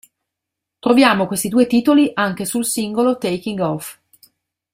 Troviamo questi due titoli anche sul singolo "Taking Off".